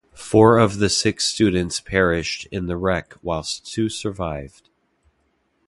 Four of the six students perished in the wreck whilst two survived.